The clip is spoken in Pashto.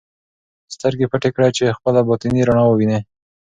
سترګې پټې کړه چې خپله باطني رڼا ووینې.